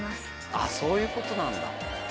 あっそういうことなんだ。